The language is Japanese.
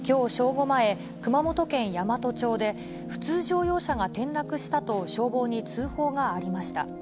午前、熊本県山都町で、普通乗用車が転落したと消防に通報がありました。